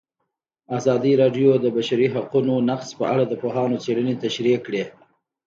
ازادي راډیو د د بشري حقونو نقض په اړه د پوهانو څېړنې تشریح کړې.